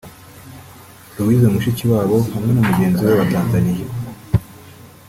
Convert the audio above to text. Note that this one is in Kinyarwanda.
Louise Mushikiwabo hamwe na mugenzi we wa Tanzania